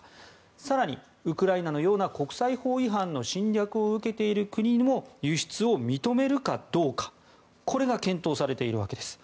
更に、ウクライナのような国際法違反の侵略を受けている国にも輸出を認めるかどうかこれが検討されているわけです。